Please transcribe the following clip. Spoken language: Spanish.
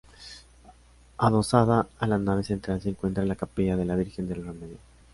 Adosada a la nave central se encuentra la capilla de la Virgen del Remedio.